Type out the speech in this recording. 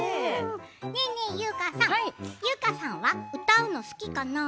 ねえねえ優香さん優香さんは、歌うの好きかな？